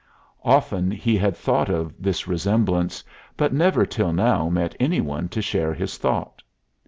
Often he had thought of this resemblance, but never till now met any one to share his thought.